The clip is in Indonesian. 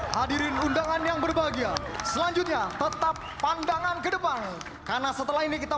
hadirin undangan yang berbahagia selanjutnya tetap pandangan ke depan karena setelah ini kita